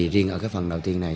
riêng ở phần đầu tiên này